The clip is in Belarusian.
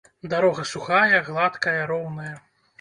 Дарога сухая, гладкая, роўная.